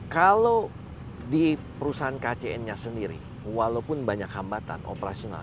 kalau di perusahaan kcn nya sendiri walaupun banyak hambatan operasional